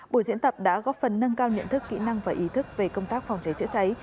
buổi diễn tập đã góp phần nâng cao nhận thức kỹ năng và ý thức về công tác phòng cháy chữa cháy